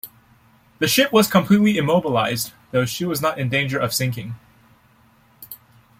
The ship was completely immobilized, though she was not in danger of sinking.